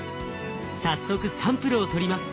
早速サンプルを採ります。